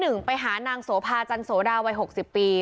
ไปหานางโสภาจันโสดาวัย๖๐ปี